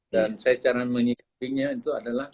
dan cara saya menyikirinya itu adalah